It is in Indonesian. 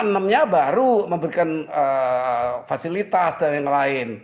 enam nya baru memberikan fasilitas dan yang lain